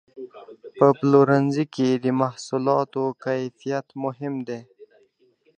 په پلورنځي کې د محصولاتو کیفیت مهم دی.